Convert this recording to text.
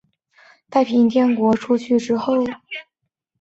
石达开从太平天国政权出走之后。